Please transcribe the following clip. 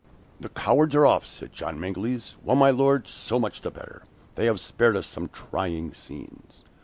"The cowards are off!" said John Mangles. "Well, my Lord, so much the better. They have spared us some trying scenes."